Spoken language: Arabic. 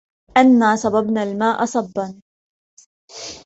أنا صببنا الماء صبا